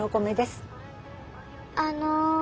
あの。